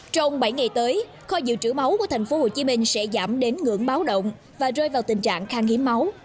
trong bảy ngày tới kho dự trữ máu của tp hcm sẽ giảm đến ngưỡng báo động và rơi vào tình trạng khang hiếm máu